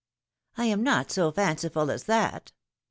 " I am not so fanciful as that."